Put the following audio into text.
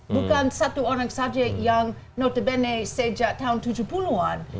bukan satu orang saja yang notabene sejak tahun tujuh puluh an